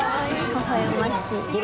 ほほ笑ましい。